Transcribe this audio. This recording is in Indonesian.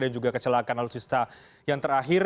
dan juga kecelakaan alutsista yang terakhir